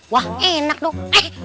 wah enak dong